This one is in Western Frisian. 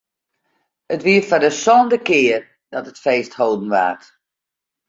It wie foar de sânde kear dat it feest hâlden waard.